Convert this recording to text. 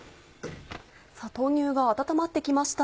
豆乳が温まって来ました。